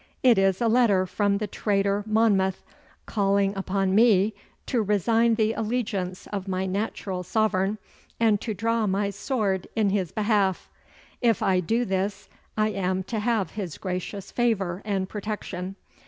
It is a letter from the traitor Monmouth, calling upon me to resign the allegiance of my natural sovereign and to draw my sword in his behalf! If I do this I am to have his gracious favour and protection.